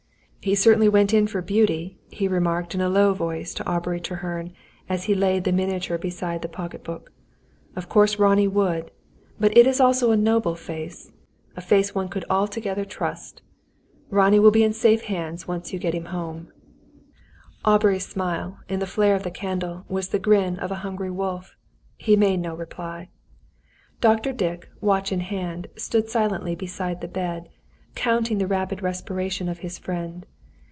"He certainly went in for beauty," he remarked in a low voice to Aubrey Treherne, as he laid the miniature beside the pocket book. "Of course Ronnie would. But it is also a noble face a face one could altogether trust. Ronnie will be in safe hands when once you get him home." Aubrey's smile, in the flare of the candle, was the grin of a hungry wolf. He made no reply. Dr. Dick, watch in hand, stood silently beside the bed, counting the rapid respiration of his friend.